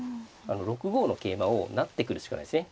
６五の桂馬を成ってくるしかないですね。